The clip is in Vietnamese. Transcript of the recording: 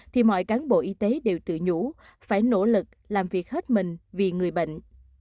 thì mọi cán bộ y tế đều tự nhủ phải nỗ lực làm việc hết mình vì người bệnh